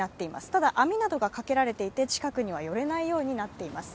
ただ、網などがかけられていて近くには寄れないようになっています。